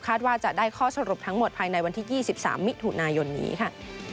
ว่าจะได้ข้อสรุปทั้งหมดภายในวันที่๒๓มิถุนายนนี้ค่ะ